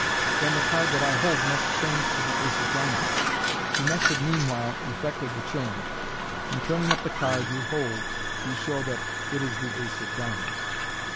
Then the card that I hold must change to the ace of diamonds." You have meanwhile effected the change, and turning up the card you hold, you show that it is the ace of diamonds.